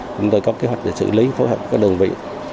chúng tôi có kế hoạch để xử lý phối hợp với đơn vị